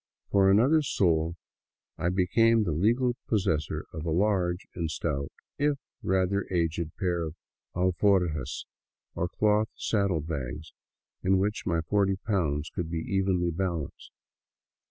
For another sol I became the legal possessor of a large and stout, if rather aged, pair of alforjas, or cloth saddle bags, in which my forty pounds could be evenly balanced.